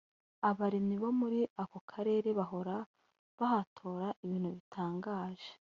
Abarimyi bo muri ako karere bahora bahatora ibintu bitangaje